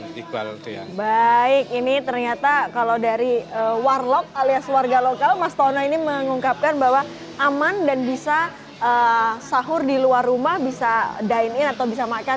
baik ini ternyata kalau dari warlok alias warga lokal mas tono ini mengungkapkan bahwa aman dan bisa sahur di luar rumah bisa dine in atau bisa makan